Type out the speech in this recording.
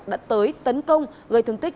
đã tới tấn công gây thương tích